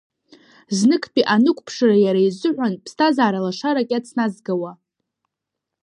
Зныктәи анықәԥшра иара изыҳәан ԥсҭазаара-лашарак иацназгауа…